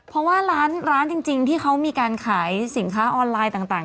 เพราะว่าร้านจริงที่เขามีการขายสินค้าออนไลน์ต่าง